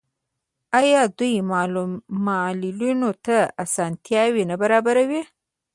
آیا دوی معلولینو ته اسانتیاوې نه برابروي؟